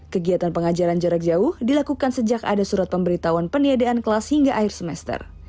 kegiatan pengajaran jarak jauh dilakukan sejak ada surat pemberitahuan peniadaan kelas hingga akhir semester